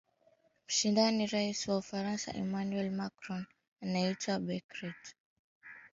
mshindani Rais wa Ufaransa Emmanuel Macron ameiita Brexit